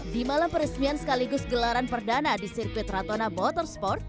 di malam peresmian sekaligus gelaran perdana di sirkuit rato nabotor sport